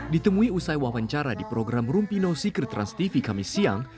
ditemui usai wawancara di program rumpino secret transtv kami siang